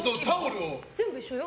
全部一緒よ。